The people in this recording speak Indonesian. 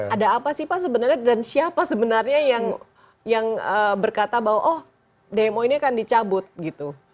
ada apa sih pak sebenarnya dan siapa sebenarnya yang berkata bahwa oh demo ini akan dicabut gitu